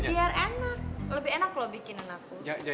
biar enak lebih enak lo bikinin aku